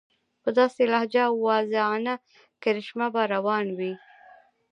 په داسې لهجه او واعظانه کرشمه به روان وي.